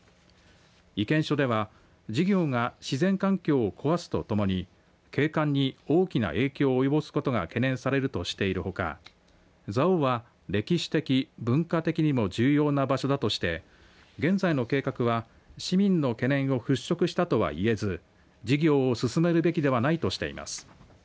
意見書では事業が自然環境を壊すとともに景観に大きな影響を及ぼすことが懸念されるとしているほか蔵王は歴史的、文化的にも重要な場所だとして現在の計画は市民の懸念を払拭したとはいえず事業を進めるべきではないとしています。